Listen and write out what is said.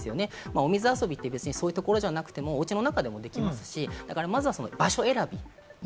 お水遊びってそういうところじゃなくても、おうちの中でもできますし、まずは場所選び。